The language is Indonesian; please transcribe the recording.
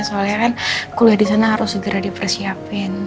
soalnya kan kuliah di sana harus segera dipersiapin